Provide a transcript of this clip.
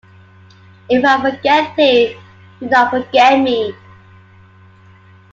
If I forget Thee, do not forget me.